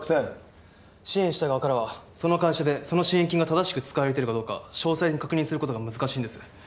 支援した側からはその会社でその支援金が正しく使われているかどうか詳細に確認することが難しいんです。